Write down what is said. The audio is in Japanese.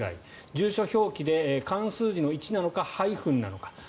住所表記での漢数字の一なのかハイフンなのか。